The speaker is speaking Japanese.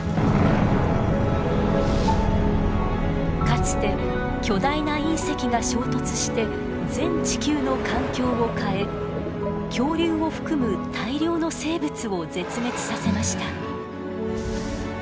かつて巨大な隕石が衝突して全地球の環境を変え恐竜を含む大量の生物を絶滅させました。